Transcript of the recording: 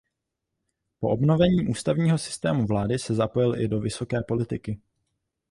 Po obnovení ústavního systému vlády se zapojil i do vysoké politiky.